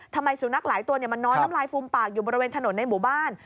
ทำไมสุนัขหลายตัวมันนอนน้ำลายฟูมปากอยู่บริเวณถนนในหมู่บ้าน